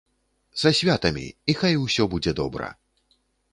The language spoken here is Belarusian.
Са святамі, і хай усё будзе добра.